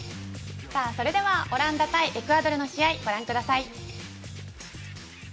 それではオランダ対エクアドルの試合をご覧ください。